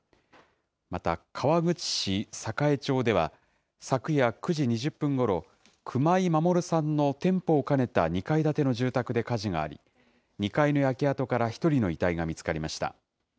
また、川口市栄町では、昨夜９時２０分ごろ、熊井守さんの店舗を兼ねた２階建ての住宅で火事があり、２階の焼け跡から１人の遺体が見つかりました。